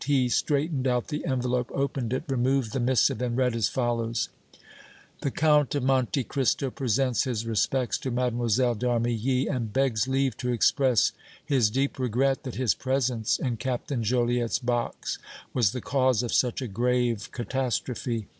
He straightened out the envelope, opened it, removed the missive and read as follows: "The Count of Monte Cristo presents his respects to Mlle. d' Armilly, and begs leave to express his deep regret that his presence in Captain Joliette's box was the cause of such a grave catastrophe.